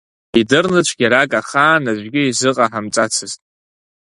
Идырны цәгьарак ахаан аӡәгьы изыҟаҳамҵацызт.